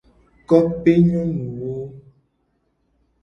Kopetowo nyonuwo.